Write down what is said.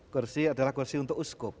kursi adalah kursi untuk uskup